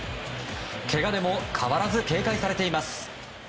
けがでも変わらず警戒されています。